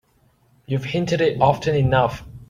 You've hinted it often enough.